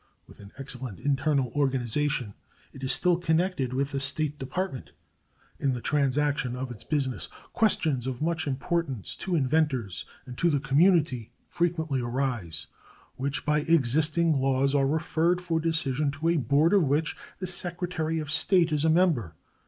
With an excellent internal organization, it is still connected with the State Department. In the transaction of its business questions of much importance to inventors and to the community frequently arise, which by existing laws are referred for decision to a board of which the Secretary of State is a member.